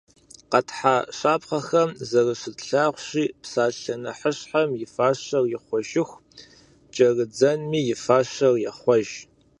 Къэтхьа щапхъэхэм зэрыщытлъагъущи, псалъэ нэхъыщхьэм и фащэр ихъуэжыху кӏэрыдзэнми и фащэр ехъуэж.